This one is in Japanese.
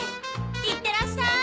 いってらっしゃーい。